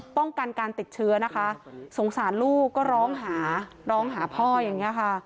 ป้องกันการติดเชื้อนะคะสงสารลูกก็ร้องหาร้องหาพ่ออย่างนี้ค่ะ